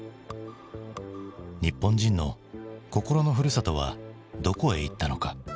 日本人の心のふるさとはどこへいったのか？